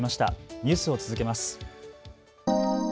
ニュースを続けます。